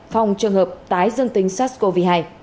phòng trường hợp tái dân tinh sars cov hai